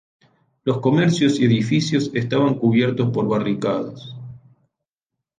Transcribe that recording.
Los comercios y edificios estaban cubiertos por barricadas.